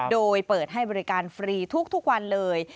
โดยเปิดให้บริการฟรีทุกวันเลย